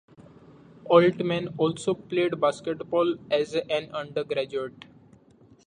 Altmann also played basketball as an undergraduate.